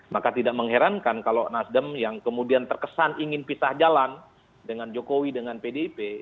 maka tidak mengherankan kalau nasdem yang kemudian terkesan ingin pisah jalan dengan jokowi dengan pdip